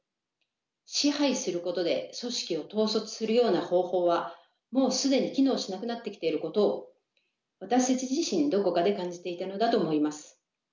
支配することで組織を統率するような方法はもう既に機能しなくなってきていることを私たち自身どこかで感じていたのだと思います。